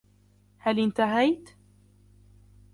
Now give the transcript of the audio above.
هل إنتهيت ؟